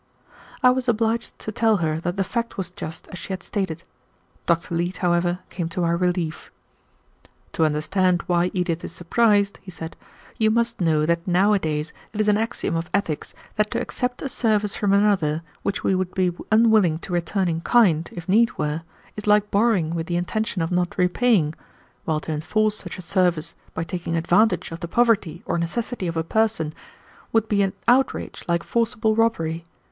I was obliged to tell her that the fact was just as she had stated. Dr. Leete, however, came to my relief. "To understand why Edith is surprised," he said, "you must know that nowadays it is an axiom of ethics that to accept a service from another which we would be unwilling to return in kind, if need were, is like borrowing with the intention of not repaying, while to enforce such a service by taking advantage of the poverty or necessity of a person would be an outrage like forcible robbery.